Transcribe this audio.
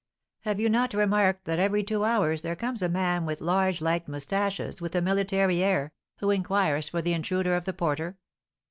"Have you not remarked that every two hours there comes a man with large light moustaches, with a military air, who inquires for the intruder of the porter?